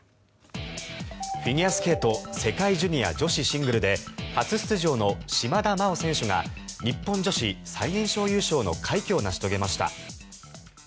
フィギュアスケート世界ジュニア女子シングルで初出場の島田麻央選手が日本女子最年少優勝の快挙を成し遂げました。